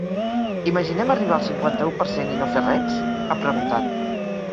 Imaginem arribar al cinquanta-u per cent i no fer res?, ha preguntat.